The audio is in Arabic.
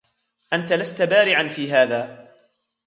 أنت لست بارعًا في هذا